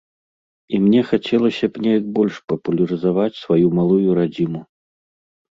І мне хацелася б неяк больш папулярызаваць сваю малую радзіму.